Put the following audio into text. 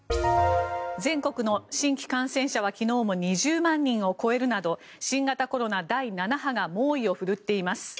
全国の新規感染者は昨日も２０万人を超えるなど新型コロナ第７波が猛威を振るっています。